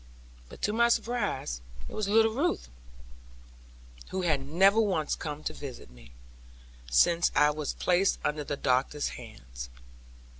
But to my surprise it was little Ruth, who had never once come to visit me, since I was placed under the doctor's hands.